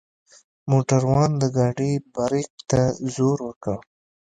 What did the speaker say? موټروان د ګاډۍ برک ته زور وکړ.